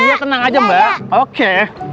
iya tenang aja mbak oke